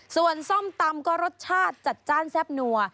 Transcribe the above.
ส่วนส้มตำก็รสชาติจัดจ้านแซ่บนัว